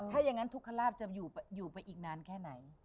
ถ้าอย่างนั้นทุกขลาบจะอยู่ไปอีกนานแค่ไหน